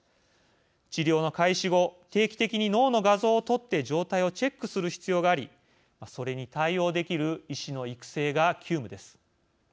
治療の開始後、定期的に脳の画像を撮って状態をチェックする必要がありそれに対応できる医師の育成が急務です。